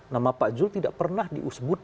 nama pak zulkifil hasan tidak pernah diusbut